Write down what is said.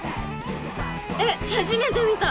えっ初めて見た。